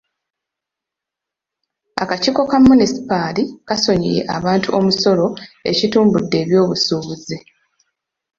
Akakiiko ka munisipaali kasonyiye abantu omusolo ekitumbude ebyobusuubuzi.